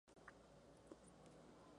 Sin embargo, no puede mantenerse despierta.